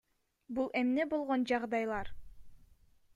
Бул эмне болгон жагдайлар?